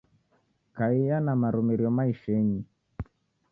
Kaiya na marumirio maishenyi.